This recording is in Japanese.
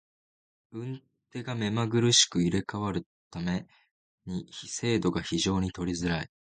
運手が目まぐるしく入れ替わる為に精度が非常に取りづらい。